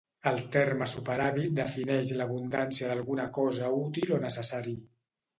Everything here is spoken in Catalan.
El terme superàvit defineix l'abundància d'alguna cosa útil o necessari.